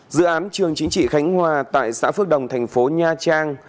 dự án trường chính trị khánh hòa tại xã phước đồng thành phố nha trang